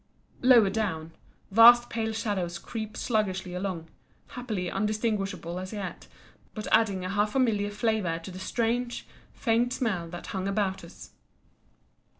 Lower down, vast pale shadows creep sluggishly along, happily undistinguishable as yet, but adding a half familiar flavour to the strange, faint smell that hung about us."